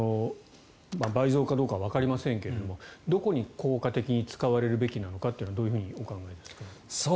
倍増かどうかわかりませんがどこに効果的に使われるべきなのかというのはどうお考えですか？